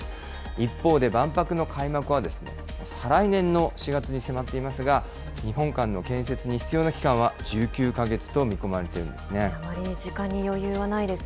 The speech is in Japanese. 一方で、万博の開幕はですね、再来年の４月に迫っていますが、日本館の建設に必要な期間は１９かあまり時間に余裕はないです